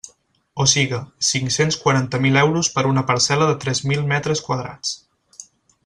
O siga, cinc-cents quaranta mil euros per una parcel·la de tres mil metres quadrats.